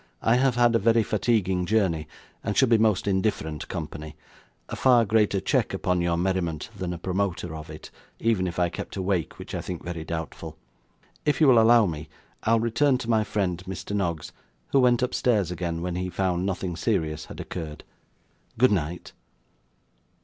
'I have had a very fatiguing journey, and should be most indifferent company a far greater check upon your merriment, than a promoter of it, even if I kept awake, which I think very doubtful. If you will allow me, I'll return to my friend, Mr. Noggs, who went upstairs again, when he found nothing serious had occurred. Good night.